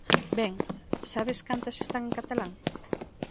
Ben, ¿saben cantas están en catalán?